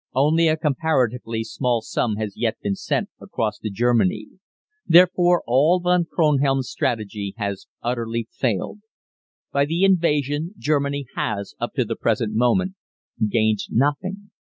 Only a comparatively small sum has yet been sent across to Germany. Therefore all Von Kronhelm's strategy has utterly failed. By the invasion, Germany has, up to the present moment, gained nothing.